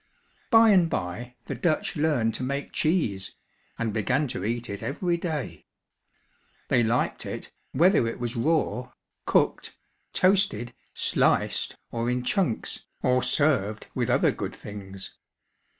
By and by the Dutch learned to make cheese and began to eat it every day. They liked it, whether it was raw, cooked, toasted, sliced, or in chunks, or served with other good things.